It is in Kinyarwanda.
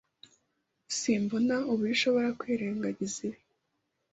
Simbona uburyo ushobora kwirengagiza ibi.